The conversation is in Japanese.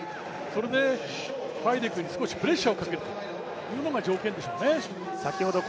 それでファイデクに少しプレッシャーをかけるのが条件でしょうね。